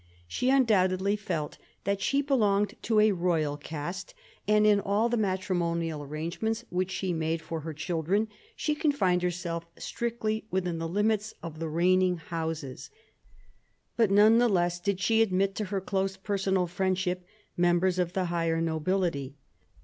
She undoubtedly felt that she belonged to a royal caste, and in all the matrimonial arrangements which she made for her children she con Xs' fined herself strictly within the limits of the reigning Houses; but none the less did she admit to her close personal friendship members of the higher nobility.